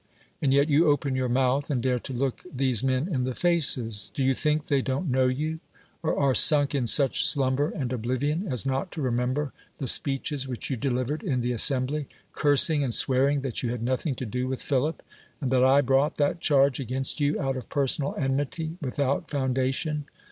And yet you open your mouth, and dare to look these men in the faces ! Do you think they don't know you? — or are sunk in such slumber and oblivion, as not to remember the speeches which you delivered in the assembly, cursing and swearing that you had nothing to do M'ith Philip, and that I brought that charge against you out of personal enmity without foun dation